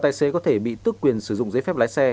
tài xế có thể bị tước quyền sử dụng giấy phép lái xe